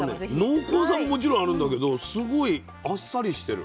濃厚さももちろんあるんだけどすごいあっさりしてる。